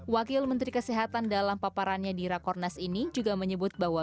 wakil menteri kesehatan dalam paparannya di rakornas ini juga menyebut bahwa